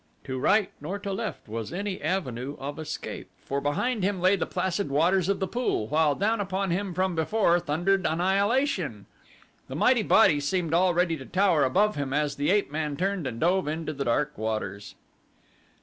To right nor to left was any avenue of escape, for behind him lay the placid waters of the pool, while down upon him from before thundered annihilation. The mighty body seemed already to tower above him as the ape man turned and dove into the dark waters.